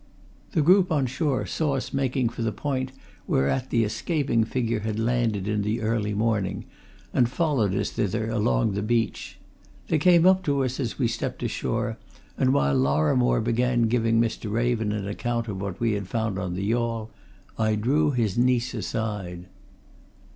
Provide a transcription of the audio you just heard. The group on shore saw us making for the point whereat the escaping figure had landed in the early morning, and followed us thither along the beach. They came up to us as we stepped ashore, and while Lorrimore began giving Mr. Raven an account of what we had found on the yawl I drew his niece aside.